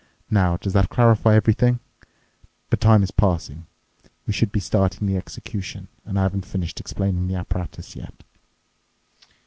Now, does that clarify everything? But time is passing. We should be starting the execution, and I haven't finished explaining the apparatus yet."